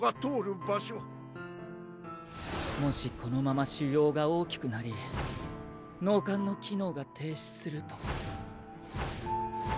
もしこのまま腫瘍が大きくなり脳幹の機能が停止すると。